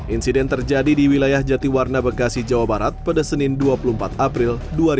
insiden terjadi di wilayah jatiwarna bekasi jawa barat pada senin dua puluh empat april dua ribu dua puluh